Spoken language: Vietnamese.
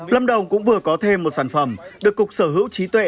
lâm đồng cũng vừa có thêm một sản phẩm được cục sở hữu trí tuệ